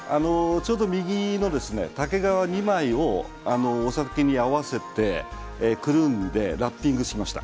右側の竹皮２枚をお酒に合わせて包んでラッピングしました。